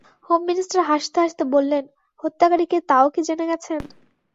Home minister হাসতে-হাসতে বললেন, হত্যাকারী কে তাও কি জেনে গেছেন?